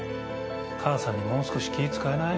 母さんにもう少し気遣えない？